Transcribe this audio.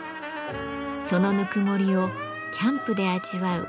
そのぬくもりをキャンプで味わう